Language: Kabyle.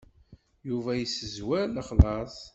Yuba yessezwer lexlaṣ.